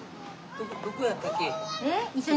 どこやったっけ？